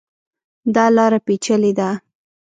دا لاره پېچلې ده.